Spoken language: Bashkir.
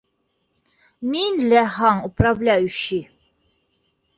Мин ләһаң - управляющий.